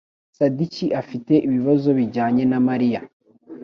Sadiki afite ibibazo bijyanye na Mariya